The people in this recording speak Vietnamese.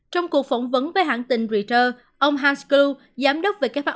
trong cuộc phỏng vấn với hãng tình reuters ông hans klu giám đốc về kế hoạch